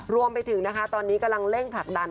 รวมไปถึงนะคะตอนนี้กำลังเร่งผลักดัน